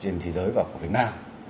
trên thế giới và của việt nam